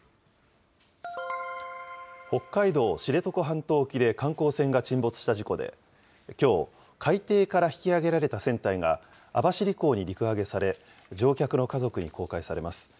北海道知床半島沖で観光船が沈没した事故で、きょう、海底から引き揚げられた船体が網走港に陸揚げされ、乗客の家族に公開されます。